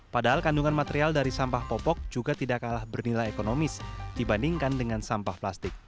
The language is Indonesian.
padahal kandungan material dari sampah popok juga tidak kalah bernilai ekonomis dibandingkan dengan sampah plastik